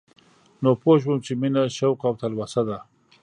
نو پوه شوم چې مينه شوق او تلوسه ده